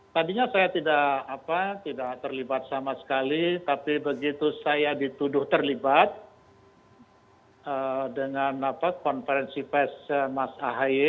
tadinya saya tidak terlibat sama sekali tapi begitu saya dituduh terlibat dengan konferensi pes mas ahaye